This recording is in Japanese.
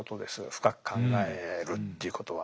深く考えるということは。